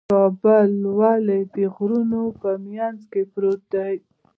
کابل ولې د غرونو په منځ کې پروت دی؟